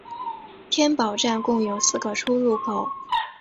天宝站共有四个出入口。